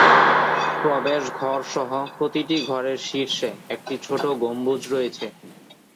প্রবেশ ঘর সহ প্রতিটি ঘরের শীর্ষে একটি ছোট গম্বুজ রয়েছে।